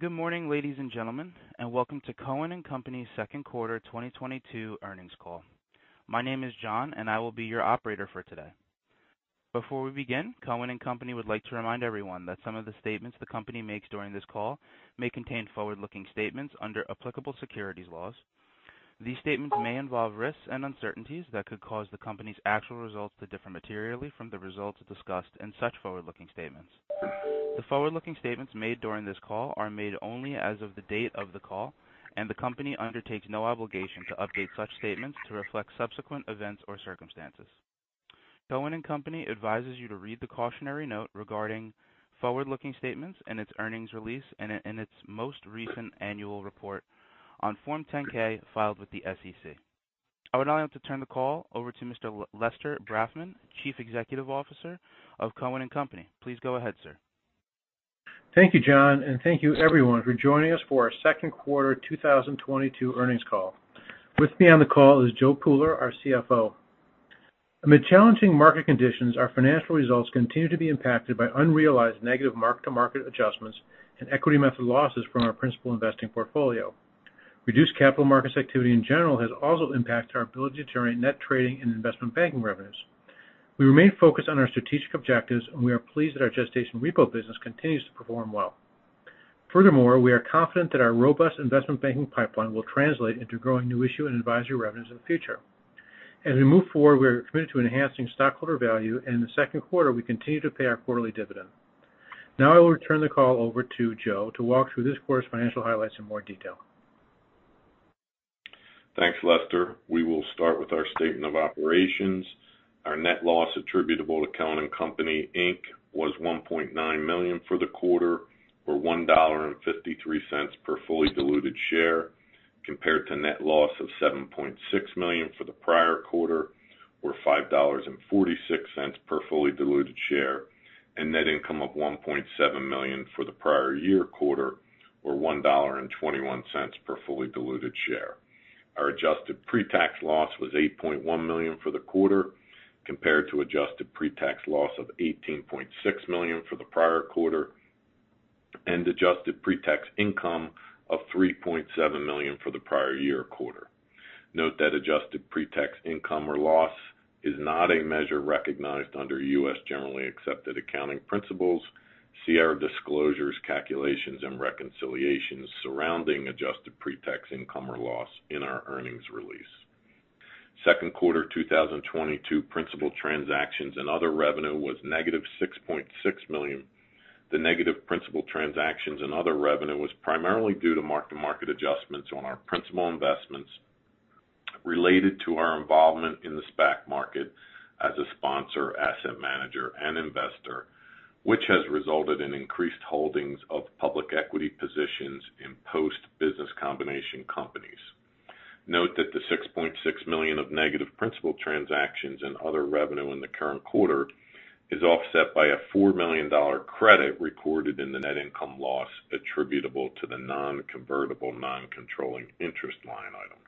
Good morning, ladies and gentlemen, and welcome to Cohen & Company's second quarter 2022 earnings call. My name is John, and I will be your operator for today. Before we begin, Cohen & Company would like to remind everyone that some of the statements the company makes during this call may contain forward-looking statements under applicable securities laws. These statements may involve risks and uncertainties that could cause the company's actual results to differ materially from the results discussed in such forward-looking statements. The forward-looking statements made during this call are made only as of the date of the call, and the company undertakes no obligation to update such statements to reflect subsequent events or circumstances. Cohen & Company advises you to read the cautionary note regarding forward-looking statements in its earnings release and in its most recent annual report on Form 10-K filed with the SEC. I would now like to turn the call over to Mr. Lester Brafman, Chief Executive Officer of Cohen & Company. Please go ahead, sir. Thank you, John, and thank you everyone for joining us for our second quarter 2022 earnings call. With me on the call is Joe Pooler, our CFO. Amid challenging market conditions, our financial results continue to be impacted by unrealized negative mark-to-market adjustments and equity method losses from our principal investing portfolio. Reduced capital markets activity in general has also impacted our ability to generate net trading and investment banking revenues. We remain focused on our strategic objectives, and we are pleased that our gestation repo business continues to perform well. Furthermore, we are confident that our robust investment banking pipeline will translate into growing new issue and advisory revenues in the future. As we move forward, we are committed to enhancing stockholder value, and in the second quarter, we continue to pay our quarterly dividend. Now I will turn the call over to Joe to walk through this quarter's financial highlights in more detail. Thanks, Lester. We will start with our statement of operations. Our net loss attributable to Cohen & Company Inc was $1.9 million for the quarter, or $1.53 per fully diluted share, compared to net loss of $7.6 million for the prior quarter, or $5.46 per fully diluted share, and net income of $1.7 million for the prior year quarter, or $1.21 per fully diluted share. Our adjusted pre-tax loss was $8.1 million for the quarter, compared to adjusted pre-tax loss of $18.6 million for the prior quarter and adjusted pre-tax income of $3.7 million for the prior year quarter. Note that adjusted pre-tax income or loss is not a measure recognized under U.S. Generally Accepted Accounting Principles. See our disclosures, calculations, and reconciliations surrounding adjusted pre-tax income or loss in our earnings release. Second quarter 2022 principal transactions and other revenue was -$6.6 million. The negative principal transactions and other revenue was primarily due to mark-to-market adjustments on our principal investments related to our involvement in the SPAC market as a sponsor, asset manager, and investor, which has resulted in increased holdings of public equity positions in post-business combination companies. Note that the $6.6 million of negative principal transactions and other revenue in the current quarter is offset by a $4 million credit recorded in the net income loss attributable to the non-convertible non-controlling interest line item.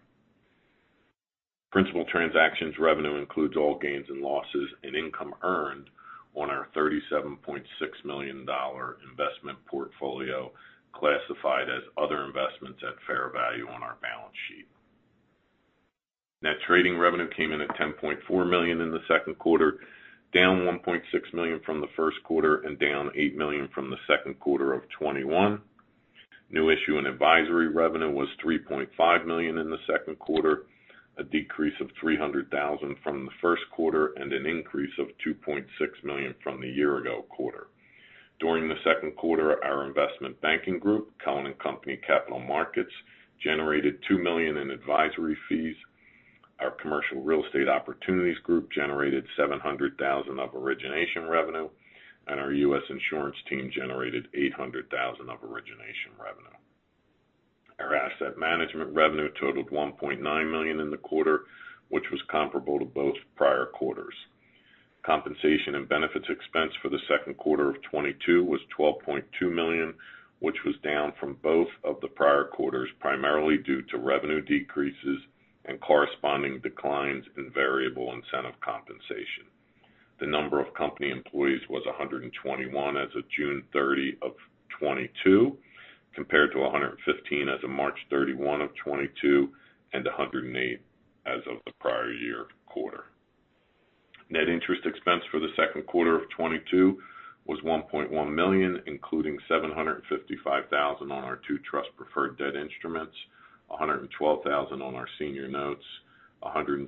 Principal transactions revenue includes all gains and losses and income earned on our $37.6 million investment portfolio classified as other investments at fair value on our balance sheet. Net trading revenue came in at $10.4 million in the second quarter, down $1.6 million from the first quarter and down $8 million from the second quarter of 2021. New issue and advisory revenue was $3.5 million in the second quarter, a decrease of $300 thousand from the first quarter and an increase of $2.6 million from the year ago quarter. During the second quarter, our investment banking group, Cohen & Company Capital Markets, generated $2 million in advisory fees. Our commercial real estate opportunities group generated $700 thousand of origination revenue, and our U.S. insurance team generated $800,000 of origination revenue. Our asset management revenue totaled $1.9 million in the quarter, which was comparable to both prior quarters. Compensation and benefits expense for the second quarter of 2022 was $12.2 million, which was down from both of the prior quarters, primarily due to revenue decreases and corresponding declines in variable incentive compensation. The number of company employees was 121 as of June 30, 2022, compared to 115 as of March 31, 2022 and 108 as of the prior year quarter. Net interest expense for the second quarter of 2022 was $1.1 million, including $755,000 on our two trust preferred debt instruments, $112,000 on our senior notes, $177,000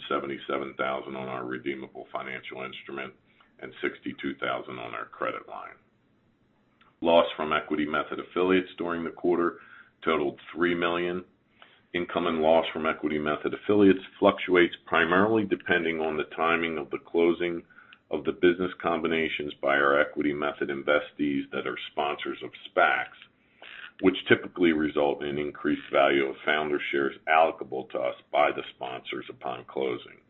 on our redeemable financial instrument, and $62,000 on our credit line. Loss from equity method affiliates during the quarter totaled $3 million. Income and loss from equity method affiliates fluctuates primarily depending on the timing of the closing of the business combinations by our equity method investees that are sponsors of SPACs, which typically result in increased value of founder shares allocable to us by the sponsors upon closing.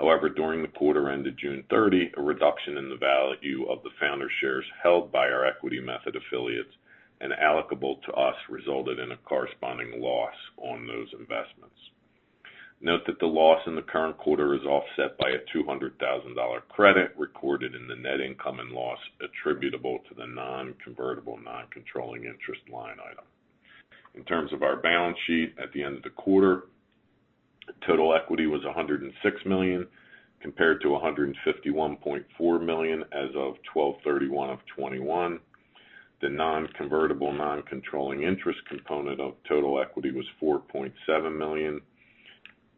However, during the quarter ended June 30, a reduction in the value of the founder shares held by our equity method affiliates and allocable to us resulted in a corresponding loss on those investments. Note that the loss in the current quarter is offset by a $200,000 credit recorded in the net income and loss attributable to the non-convertible non-controlling interest line item. In terms of our balance sheet, at the end of the quarter, total equity was $106 million compared to $151.4 million as of 12/31/2021. The non-convertible non-controlling interest component of total equity was $4.7 million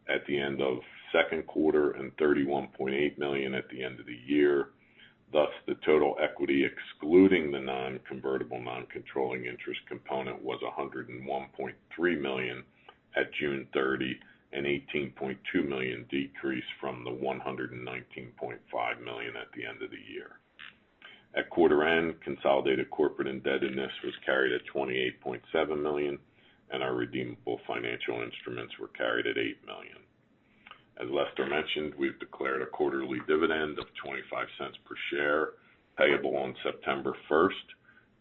at the end of second quarter and $31.8 million at the end of the year. Thus, the total equity excluding the non-convertible non-controlling interest component was $101.3 million at June 30, an $18.2 million decrease from the $119.5 million at the end of the year. At quarter end, consolidated corporate indebtedness was carried at $28.7 million, and our redeemable financial instruments were carried at $8 million. As Lester mentioned, we've declared a quarterly dividend of $0.25 per share payable on September 1st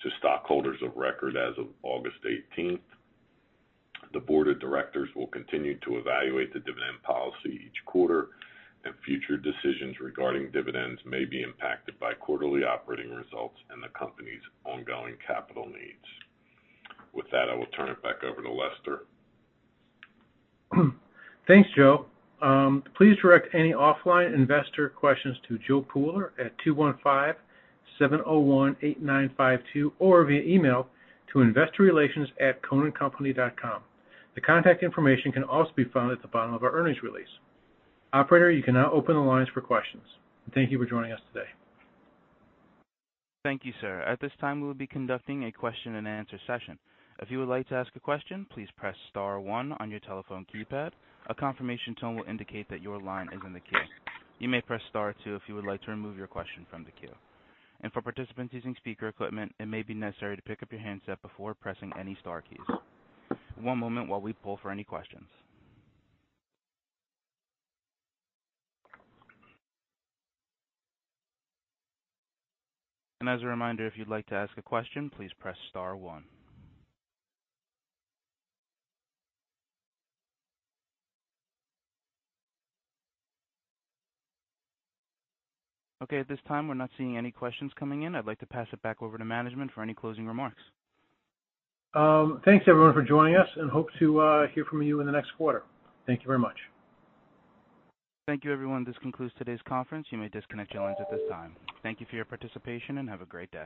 to stockholders of record as of August 18th. The board of directors will continue to evaluate the dividend policy each quarter, and future decisions regarding dividends may be impacted by quarterly operating results and the company's ongoing capital needs. With that, I will turn it back over to Lester. Thanks, Joe. Please direct any offline investor questions to Joe Pooler at 215-701-8952 or via email to investorrelations@cohenandcompany.com. The contact information can also be found at the bottom of our earnings release. Operator, you can now open the lines for questions. Thank you for joining us today. Thank you, sir. At this time, we will be conducting a question-and-answer session. If you would like to ask a question, please press star one on your telephone keypad. A confirmation tone will indicate that your line is in the queue. You may press star two if you would like to remove your question from the queue. For participants using speaker equipment, it may be necessary to pick up your handset before pressing any star keys. One moment while we poll for any questions. As a reminder, if you'd like to ask a question, please press star one. Okay, at this time, we're not seeing any questions coming in. I'd like to pass it back over to management for any closing remarks. Thanks everyone for joining us and hope to hear from you in the next quarter. Thank you very much. Thank you, everyone. This concludes today's conference. You may disconnect your lines at this time. Thank you for your participation, and have a great day.